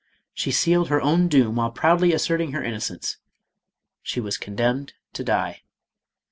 She sealed her own doom while proudly asserting her inno cence. She was condemned to die.